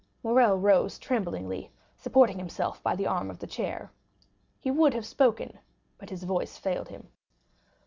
Morrel rose tremblingly, supporting himself by the arm of the chair. He would have spoken, but his voice failed him.